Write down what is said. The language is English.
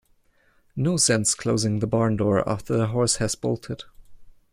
No sense closing the barn door after the horse has bolted.